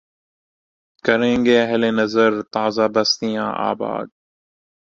کریں گے اہل نظر تازہ بستیاں آباد